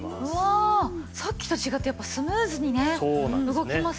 うわさっきと違ってやっぱスムーズにね動きますしね。